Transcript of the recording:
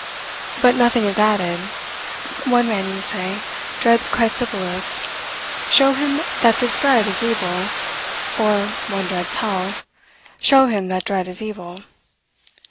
But nothing is added. One man, you say, dreads crysipelas, show him that this dread is evil: or, one dreads hell, show him that dread is evil.